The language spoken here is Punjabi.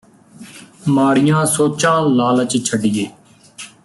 ਮਾੜੀਆਂ ਸੋਚਾਂ ਲਾਲਚ ਛੱਡੀਏ